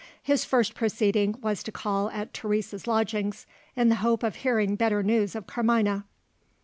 His first proceeding was to call at Teresa's lodgings, in the hope of hearing better news of Carmina.